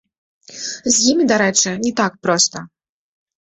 З імі, дарэчы, не так проста.